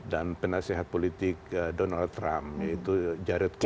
dan penasehat politik donald trump yaitu jared kushner